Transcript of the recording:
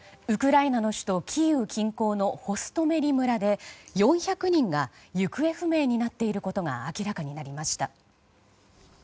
ウクライナの首都キーウ近郊のホストメリ村で４００人が行方不明になっていることが明らかになりました。